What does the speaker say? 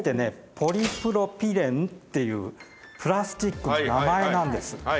ポリプロピレンっていうプラスチックの名前なんです。